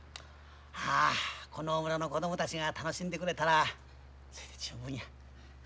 はあこの村の子供たちが楽しんでくれたらそれで十分や。